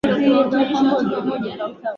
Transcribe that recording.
benki inatakiwa kuhimarisha mazingira ya soko